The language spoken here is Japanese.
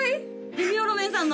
レミオロメンさんの？